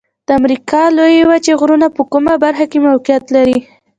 د امریکا د لویې وچې غرونه په کومه برخه کې موقعیت لري؟